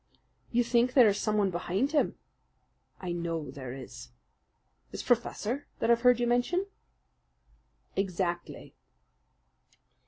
"You think there is someone behind him?" "I know there is." "This professor that I've heard you mention?" "Exactly!"